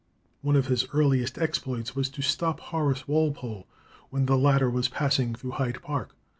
One of his earliest exploits was to stop Horace Walpole when the latter was passing through Hyde Park.